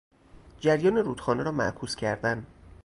جریان رودخانه را معکوس کردن